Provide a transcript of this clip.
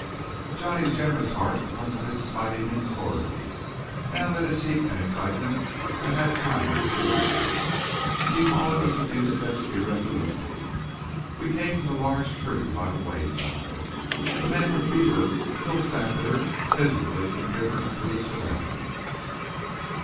Johnny's generous heart must have been smiting him sorely, now that his heat and excitement had had time to cool a little. He followed us a few steps irresolutely. We came to the large tree by the wayside. The man with the fever still sat there miserably indifferent to his surroundings.